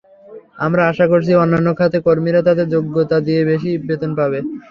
আমরা আশা করছি, অন্যান্য খাতের কর্মীরা তাদের যোগ্যতা দিয়ে বেশি বেতন পাবে।